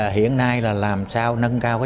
hiện nay làm sao nâng cao